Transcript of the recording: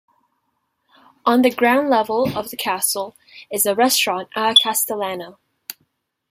On the ground level of the castle is a restaurant "A Castellana".